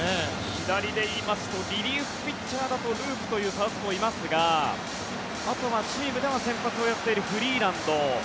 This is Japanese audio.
左でいいますとリリーフピッチャーだとループというサウスポーがいますがあとはチームでは先発をやっているフリーランド。